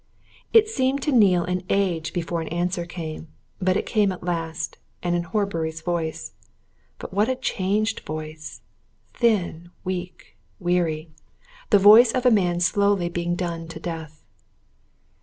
It seemed to Neale an age before an answer came. But it came at last and in Horbury's voice. But what a changed voice! Thin, weak, weary the voice of a man slowly being done to death.